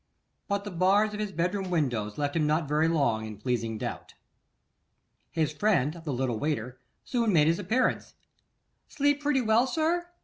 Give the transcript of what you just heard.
But the bars of his bedroom window left him not very long in pleasing doubt. His friend, the little waiter, soon made his appearance. 'Slept pretty well, sir?